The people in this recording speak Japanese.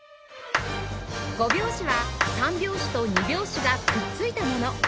５拍子は３拍子と２拍子がくっついたもの